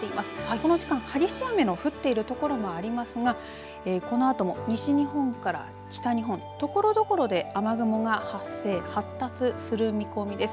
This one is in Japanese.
この時間激しい雨の降っているところもありますがこのあとも西日本から北日本ところどころで雨雲が発生発達する見込みです。